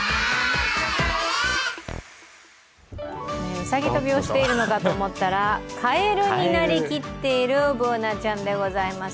うさぎ跳びをしているのかと思ったら、カエルになりきっているＢｏｏｎａちゃんでございます。